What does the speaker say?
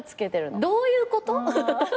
どういうこと？